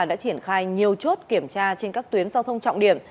đã triển khai nhiều chốt kiểm tra trên các tuyến giao thông trọng điểm